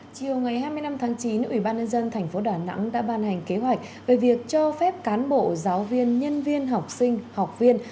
chiều ngày hai mươi năm tháng chín ủy ban nhân dân tp đà nẵng đã ban hành kế hoạch về việc cho phép cán bộ giáo viên nhân viên học sinh học viên